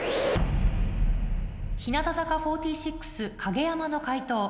日向坂４６・影山の解答